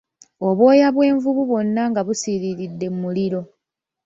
Obwoya bw'envubu bwonna nga busiriride mu muliro.